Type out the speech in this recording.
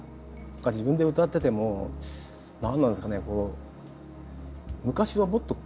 自分で歌ってても何なんですかね